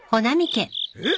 えっ？